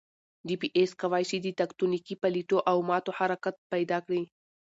جي پي ایس کوای شي د تکوتنیکي پلیټو او ماتو حرکت پیدا کړي